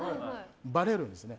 ばれるんですね。